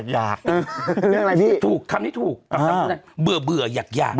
ก็กันก็เหมือนน้อง